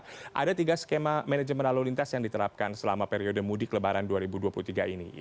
ada tiga skema manajemen lalu lintas yang diterapkan selama periode mudik lebaran dua ribu dua puluh tiga ini